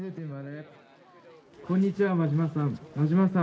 「こんにちは馬島さん。